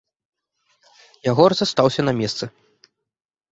Ягор застаўся на месцы.